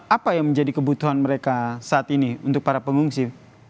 apa yang menjadi kebutuhan mereka saat ini untuk para pengungsi